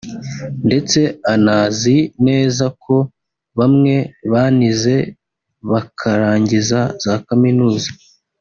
ndetse anazi neza ko bamwe banize bakarangiza za Kaminuza